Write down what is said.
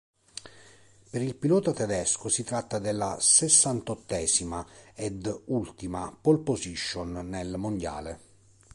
Per il pilota tedesco si tratta della sessantottesima ed ultima "pole position" nel mondiale.